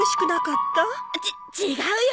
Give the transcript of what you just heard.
ち違うよ。